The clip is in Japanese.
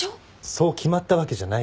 そう決まったわけじゃないから。